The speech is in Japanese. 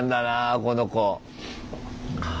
この子。